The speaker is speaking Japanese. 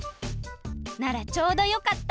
ならちょうどよかった！